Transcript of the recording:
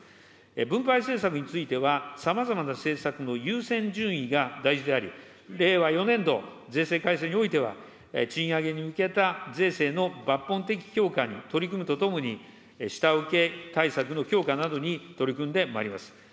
分配政策については、さまざまな政策の優先順位が大事であり、令和４年度税制改正においては、賃上げに向けた税制の抜本的強化に取り組むとともに、下請け対策の強化などに取り組んでまいります。